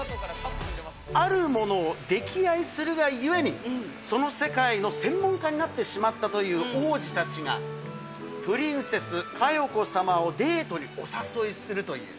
あるものを溺愛するがゆえに、その世界の専門家になってしまったという王子たちが、プリンセス佳代子様をデートにお誘いするという。